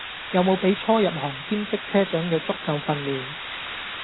有無俾初入行兼職車長有足夠訓練?